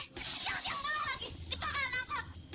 jangan jangan ngomong lagi dia bakal takut